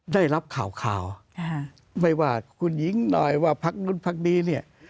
ได้รับข่าวข่าวไม่ว่าคุณหญิงหน่อยว่าพักนู้นพักนี้เนี่ย